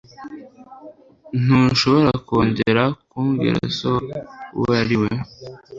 ntushobora kongera kumbwira so uwo ari we